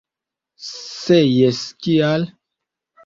Se jes, kial?